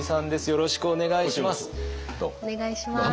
よろしくお願いします。